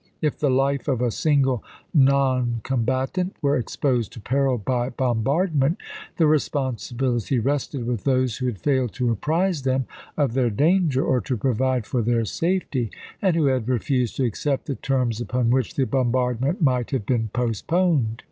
If the life of a single non combatant were exposed to peril by bombardment, the responsibility rested with those who had failed to apprise them of their danger, or to provide for their safety, and who had refused to accept the terms upon which the bom bardment might have been postponed.